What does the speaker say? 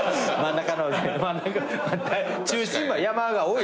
中心部は山が多い。